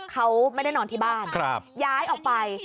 เขาไม่ได้นอนที่บ้านย้ายออกไป